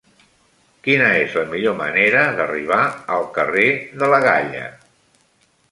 Quina és la millor manera d'arribar al carrer de la Galla?